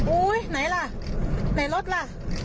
โอ้ไหนละไหนรถละ